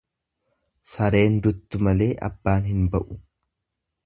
Sareen duttu malee abbaan hin ba'u.